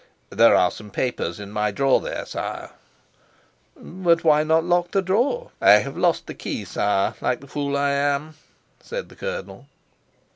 "There are some papers in my drawer there, sire." "But why not lock the drawer? "I have lost the key, sire, like the fool I am," said the colonel.